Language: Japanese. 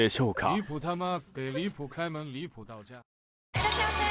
いらっしゃいませ！